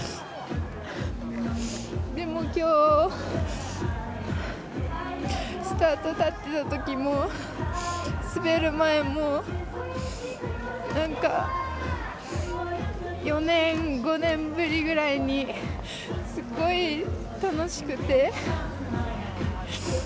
でも、きょうスタートに立ってたときも滑る前も、なんか４年、５年ぶりぐらいにすっごい楽しくて。